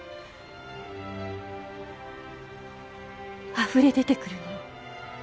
あふれ出てくるの。